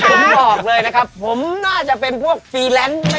ผมบอกเลยนะครับผมน่าจะเป็นพวกฟรีแลนซ์